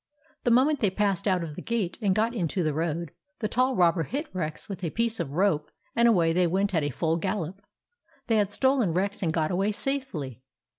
The moment they passed out of the gate and got into the road, the tall robber hit Rex with a piece of rope and away they went at a full gallop. They had stolen Rex and got away safely.